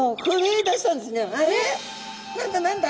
何だ何だ？」。